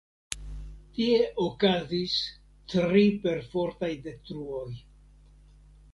Tie okazis tri perfortaj detruoj.